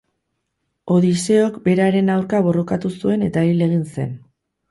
Odiseok beraren aurka borrokatu zuen eta hil egin zen.